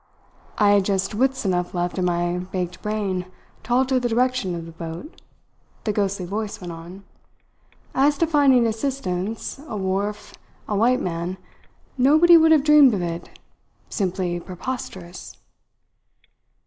"I had just wits enough left in my baked brain to alter the direction of the boat," the ghostly voice went on. "As to finding assistance, a wharf, a white man nobody would have dreamed of it. Simply preposterous!"